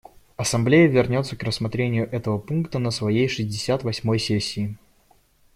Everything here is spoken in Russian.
Ассамблея вернется к рассмотрению этого пункта на своей шестьдесят восьмой сессии.